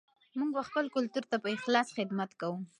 موږ به خپل کلتور ته په اخلاص خدمت کوو.